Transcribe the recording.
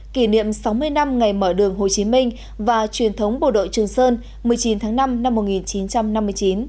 kỷ niệm sáu mươi năm ngày mở đường hồ chí minh và truyền thống bộ đội trường sơn một mươi chín tháng năm năm một nghìn chín trăm năm mươi chín